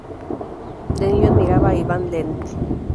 De niño admiraba a Ivan Lendl.